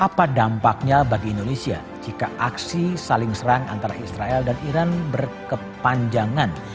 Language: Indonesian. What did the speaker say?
apa dampaknya bagi indonesia jika aksi saling serang antara israel dan iran berkepanjangan